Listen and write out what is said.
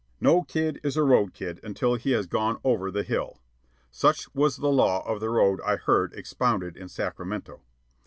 "No kid is a road kid until he has gone over 'the hill'" such was the law of The Road I heard expounded in Sacramento.